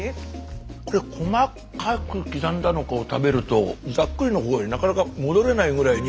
これ細かく刻んだのを食べるとざっくりの方へなかなか戻れないぐらいに。